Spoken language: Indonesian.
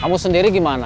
kamu sendiri gimana